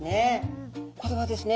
これはですね